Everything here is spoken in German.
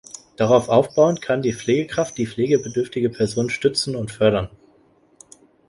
Darauf aufbauend kann die Pflegekraft die pflegebedürftige Person stützen und fördern.